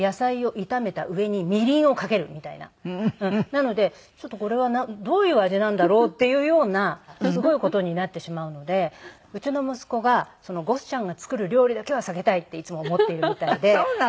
なのでちょっとこれはどういう味なんだろうっていうようなすごい事になってしまうのでうちの息子がゴスちゃんが作る料理だけは避けたいっていつも思っているみたいで。